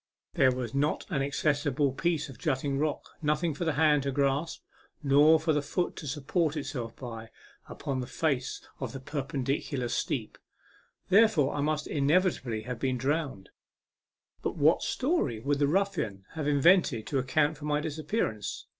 There was not 90 A MEMORABLE SWIM. an accessible piece of jutting rock nothing for the hand to grasp, nor for the foot to support itself by, upon the face of the perpendicular steep. Therefore I must inevitably have been drowned. And what story would the ruffian have invented to account for my disappearance